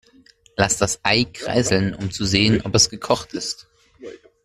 Lass das Ei kreiseln, um zu sehen, ob es gekocht ist.